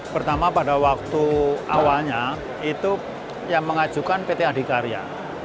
pertama pada waktu awalnya itu yang mengajukan pt adikarya